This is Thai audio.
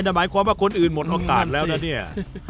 แต่หมายความว่าคนอื่นหมดโอกาสแล้วนะเนี่ย